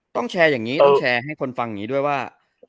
แชร์อย่างนี้ต้องแชร์ให้คนฟังอย่างนี้ด้วยว่า